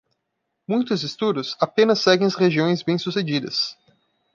Muitos estudos apenas seguem as regiões bem sucedidas.